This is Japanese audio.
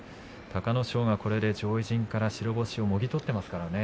隆の勝は、これで上位陣から白星をもぎ取っていますからね。